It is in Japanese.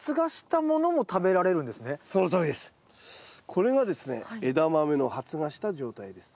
これがですねエダマメの発芽した状態です。